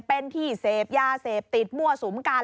เป็นที่เซฟย่าเซฟติดมั่วสูมกัน